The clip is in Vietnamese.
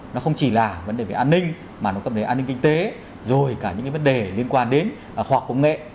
nó không chỉ là vấn đề về an ninh mà nó có vấn đề an ninh kinh tế rồi cả những vấn đề liên quan đến khoa học công nghệ